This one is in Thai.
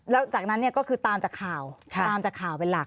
แล้วจากนั้นก็คือตามจากข่าวตามจากข่าวเป็นหลัก